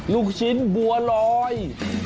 ลูกชิ้นบัวลอย